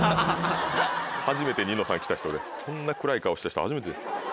初めて『ニノさん』来た人でこんな暗い顔した人初めて。